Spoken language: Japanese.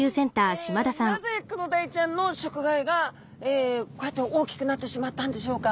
なぜクロダイちゃんの食害がこうやって大きくなってしまったんでしょうか？